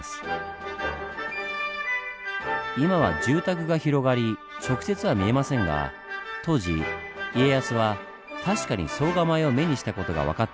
今は住宅が広がり直接は見えませんが当時家康は確かに総構を目にした事が分かっています。